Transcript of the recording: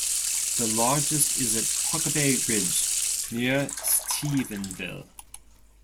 The largest is at Huckabay Ridge, near Stephenville.